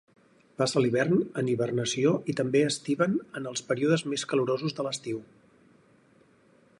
Passa l'hivern en hibernació i també estiven en els períodes més calorosos de l'estiu.